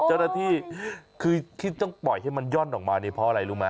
เจ้าหน้าที่คือที่ต้องปล่อยให้มันย่อนออกมานี่เพราะอะไรรู้ไหม